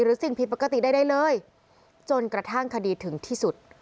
สิ่งผิดปกติใดเลยจนกระทั่งคดีถึงที่สุด